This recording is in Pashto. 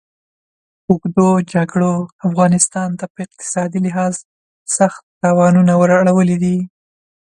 اوږدو جګړو افغانستان ته په اقتصادي لحاظ سخت تاوانونه ور اړولي دي.